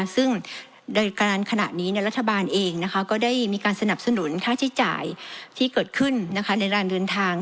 ซึ่งโดยการขณะนี้รัฐบาลเองก็ได้มีการสนับสนุนค่าใช้จ่ายที่เกิดขึ้นในการเดินทาง